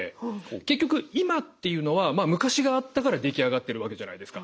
結局今っていうのは昔があったから出来上がってるわけじゃないですか？